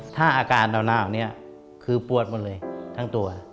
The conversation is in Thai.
ถ้าอาการหนาวนี้คือปวดหมดเลยทั้งตัว